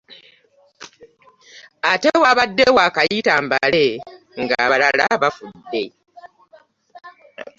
Ate wabadde waakayita mbale ng'abalala bafudde.